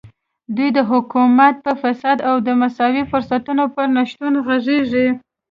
دوی د حکومت په فساد او د مساوي فرصتونو پر نشتون غږېږي.